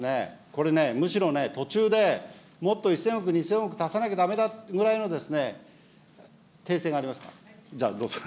これね、むしろね、途中でもっと１０００億、２０００億、足さなきゃだめだくらいの訂正があります。